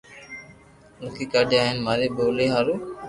لکي ڪاڌيا ھي ھين ماري ڀولي ھارو